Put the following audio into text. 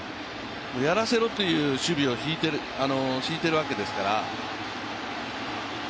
やらせろという守備を敷いているわけですから。